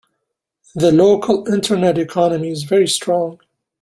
The local internet economy is very strong.